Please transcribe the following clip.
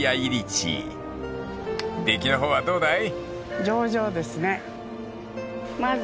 ［出来の方はどうだい？］